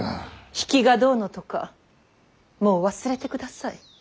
比企がどうのとかもう忘れてください。